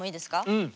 うん。